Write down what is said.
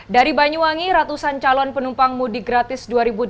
dari banyuwangi ratusan calon penumpang mudik gratis dua ribu delapan belas